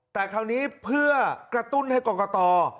แต่คราวนี้เพื่อกระตุ้นให้กรกต